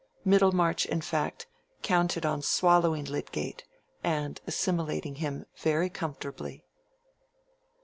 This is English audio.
Middlemarch, in fact, counted on swallowing Lydgate and assimilating him very comfortably.